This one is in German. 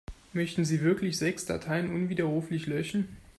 Möchten Sie wirklich sechs Dateien unwiderruflich löschen?